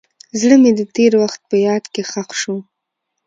زړه مې د تېر وخت په یاد کې ښخ شو.